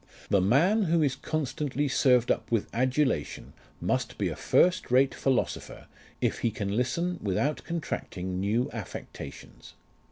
LIFE OF RICHARD NASH. 93 The man who is constantly served up with adulation, must be a first rate philosopher if he can listen without contracting new affectations.